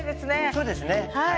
そうですね。